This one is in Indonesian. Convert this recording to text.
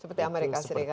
seperti amerika serikat